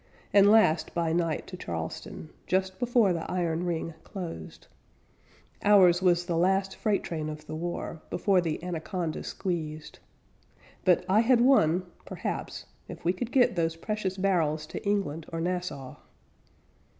At last by night to Charleston Just before the iron ring closed Ours was the last freight train of the war, Before the anaconda squeezed; But I had won (perhaps) if we could get Those precious barrels to England or Nassau.